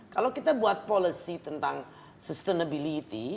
kalau kita buat policy tentang sustainability